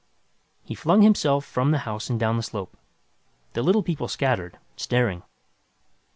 He flung himself from the house and down the slope. The Little People scattered, staring.